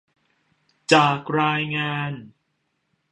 จากรายงาน